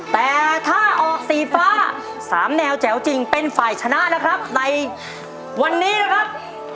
แต่ถ้าออกสีฟ้า๓แนวแจ๋วจริงเป็นฝ่ายชนะนะครับในวันนี้นะครับ